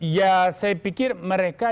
ya saya pikir mereka